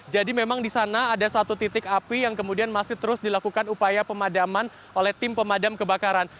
memang di sana ada satu titik api yang kemudian masih terus dilakukan upaya pemadaman oleh tim pemadam kebakaran